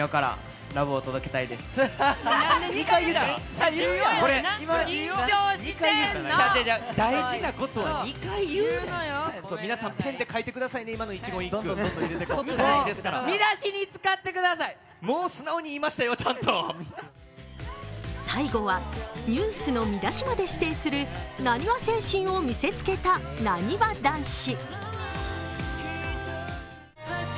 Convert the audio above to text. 最後に目標を聞かれると最後はニュースの見出しまで指定するなにわ精神を見せつけたなにわ男子。